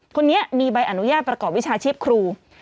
คนนี้มีใบอนุญาตประกอบวิชาชีพครู